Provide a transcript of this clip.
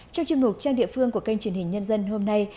trong chương mục trang địa phương của kênh truyền hình nhân dân hôm nay